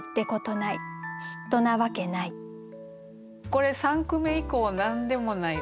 これ３句目以降「何でもない」